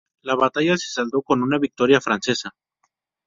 La batalla se saldó con una victoria francesa.